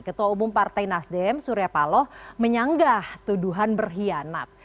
ketua umum partai nasdem surya paloh menyanggah tuduhan berkhianat